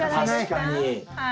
確かに。